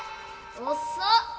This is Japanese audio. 遅っ！